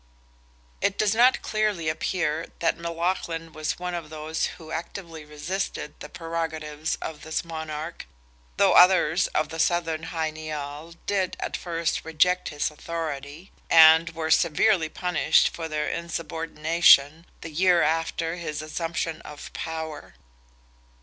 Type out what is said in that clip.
It does not clearly appear that Melaghlin was one of those who actively resisted the prerogatives of this monarch, though others of the Southern Hy Nial did at first reject his authority, and were severely punished for their insubordination, the year after his assumption of power.